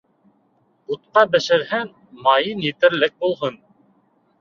Бутҡа бешерһәң, майың етерлек булһын.